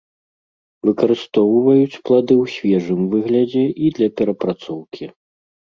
Выкарыстоўваюць плады ў свежым выглядзе і для перапрацоўкі.